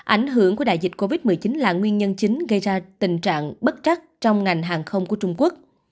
ảnh hưởng của đại dịch covid một mươi chín là nguyên nhân chính gây ra tình trạng bất chắc trong ngành hàng không của trung quốc